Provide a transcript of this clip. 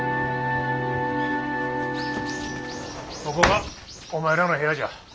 ここがお前らの部屋じゃ。